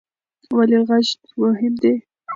ولې غږ مهم دی؟